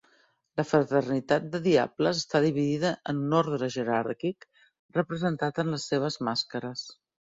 La fraternitat de diables està dividida en un ordre jeràrquic, representat en les seves màscares.